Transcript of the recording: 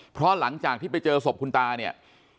เพราะหลังจากที่ไปเจอศพคุณตาเนี่ย